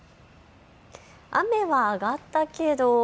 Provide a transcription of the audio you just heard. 雨は上がったけど。